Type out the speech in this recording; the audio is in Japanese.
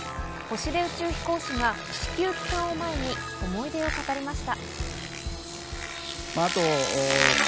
星出宇宙飛行士が地球帰還を前に思い出を語りました。